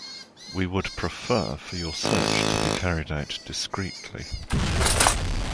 We would prefer for your search to be carried out discreetly.